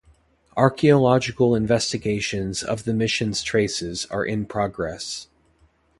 Archaeological investigations of the mission's traces are in progress.